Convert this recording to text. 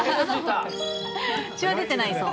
血は出てないそう。